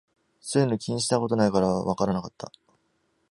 そういうの気にしたことないからわからなかった